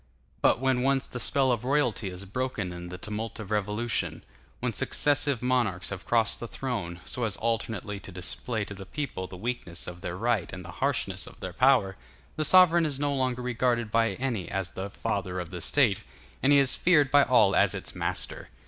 But when once the spell of royalty is broken in the tumult of revolution; when successive monarchs have crossed the throne, so as alternately to display to the people the weakness of their right and the harshness of their power, the sovereign is no longer regarded by any as the Father of the State, and he is feared by all as its master.